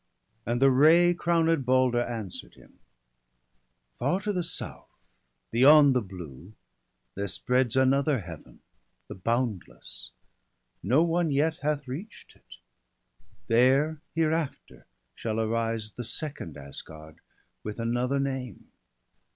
And the ray crowned Balder answer'd him :— 'Far to the south, beyond the blue, there spreads Another Heaven, the boundless — no one yet Hath reach'd it; there hereafter shall arise The second Asgard, with another name.